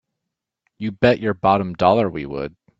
You bet your bottom dollar we would!